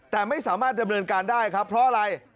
แต่ไม่สามารถดำเนินการได้ครับเพราะอะไร